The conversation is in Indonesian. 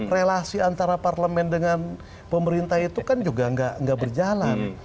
relasi antara parlemen dengan pemerintah itu kan juga nggak berjalan